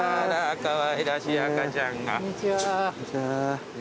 かわいらしい赤ちゃんが。